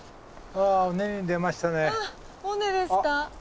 あ尾根ですか。